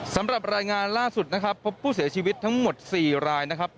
สำหรับรายงานล่าสุดนะครับพบผู้เสียชีวิตทั้งหมด๔รายนะครับ